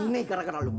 ini gara gara lu